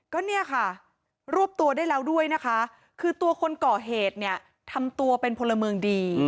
ก็เนี่ยค่ะรวบตัวได้แล้วด้วยนะคะคือตัวคนก่อเหตุเนี่ยทำตัวเป็นพลเมืองดี